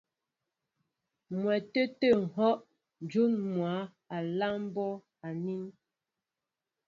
M̀mwɛtê tê ŋ̀hɔ́ ǹjún mwǎ á láŋ bɔ́ anín.